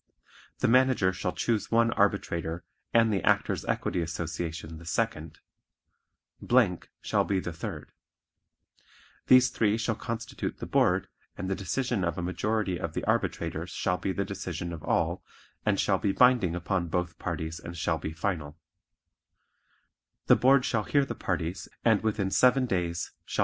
The Manager shall choose one arbitrator and the Actors' Equity Association the second. shall be the third. These three shall constitute the Board and the decision of a majority of the arbitrators shall be the decision of all and shall be binding upon both parties and shall be final.